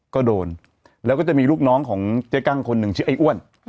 ก็โดนแล้วก็จะมีลูกน้องของเจ๊กั้งคนหนึ่งชื่อไอ้อ้วน